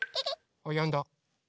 あっやんだ。